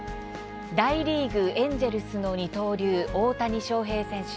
大リーグ、エンジェルスの二刀流大谷翔平選手。